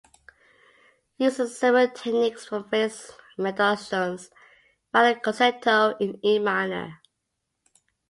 It uses several techniques from Felix Mendelssohn's Violin Concerto in E minor.